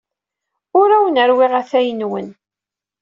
Ur awen-rewwiɣ atay-nwen.